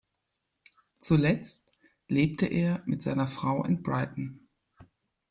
Zuletzt lebte er mit seiner Frau in Brighton.